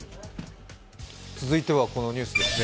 続いてはこのニュースですね。